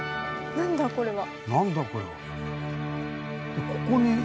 何だこれは。